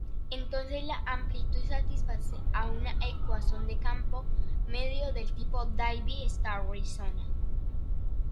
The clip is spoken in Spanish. Entonces la amplitud satisface una ecuación de campo medio del tipo Davey-Stewartson.